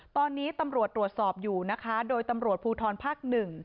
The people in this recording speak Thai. ตอนนี้ตำรวจตรวจสอบอยู่นะคะโดยตำรวจภูทรภาคหนึ่ง